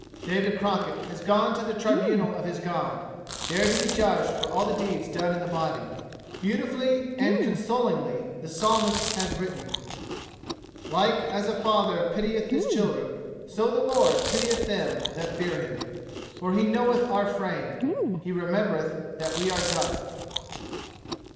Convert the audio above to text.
David Crockett has gone to the tribunal of his God, there to be judged for all the deeds done in the body. Beautifully and consolingly the Psalmist has written: "Like as a father pitieth his children, so the Lord pitieth them that fear him. For he knoweth our frame; he remembereth that we are dust."